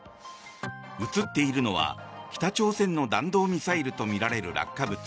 映っているのは北朝鮮の弾道ミサイルとみられる落下物。